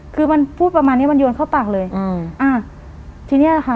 คือมันพูดประมาณเนี้ยมันโยนเข้าปากเลยอืมอ่าทีเนี้ยค่ะ